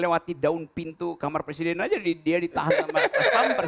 seperti daun pintu kamar presiden aja dia ditahan sama paspamper